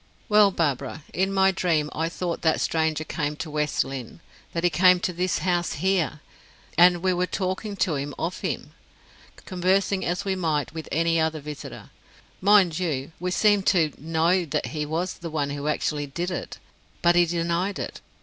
Well, Barbara, in my dream I thought that stranger came to West Lynne, that he came to this house here, and we were talking to him of him, conversing as we might with any other visitor. Mind you, we seemed to know that he was the one who actually did it; but he denied it.